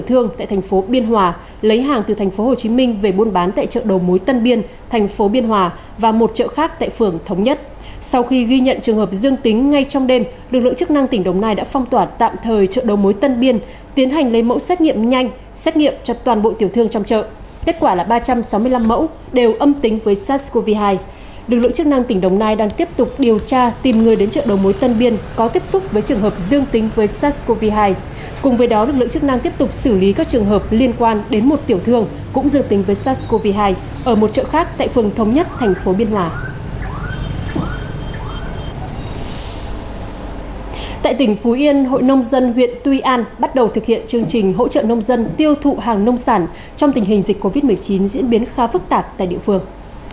tỉnh phú yên hội nông dân huyện tuy an bắt đầu thực hiện chương trình hỗ trợ nông dân tiêu thụ hàng nông sản trong tình hình dịch covid một mươi chín diễn biến khá phức tạp tại địa phương